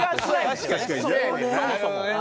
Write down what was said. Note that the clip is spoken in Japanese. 確かにね。